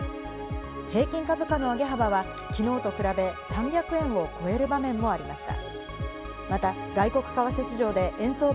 平均株価の上げ幅は昨日と比べ、３００円を超える場面もありました。